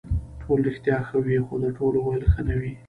ټول رښتیا ښه وي خو د ټولو ویل ښه نه وي.